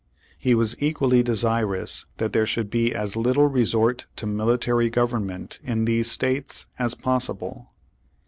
He was equally desirous that there should be as little resort to militarj^ government in these states as possible.